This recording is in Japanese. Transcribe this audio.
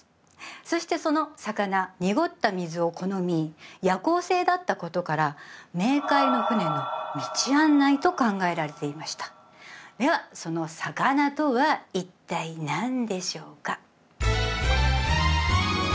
そしてその魚濁った水を好み夜行性だったことからと考えられていましたではその魚とは一体何でしょうか？